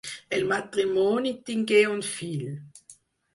El matrimoni tingué un fill.